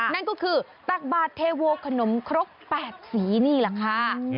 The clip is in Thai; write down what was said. นั่นก็คือตักบาทเทโวขนมครก๘สีนี่แหละค่ะ